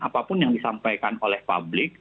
apapun yang disampaikan oleh publik